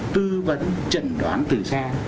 tư vấn chẩn đoán từ xa